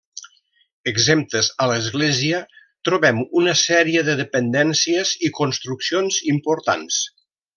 Exemptes a l'església trobem una sèrie de dependències i construccions importants.